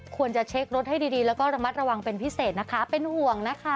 ควรจะเช็ครถให้ดีแล้วก็ระมัดระวังเป็นพิเศษนะคะเป็นห่วงนะคะ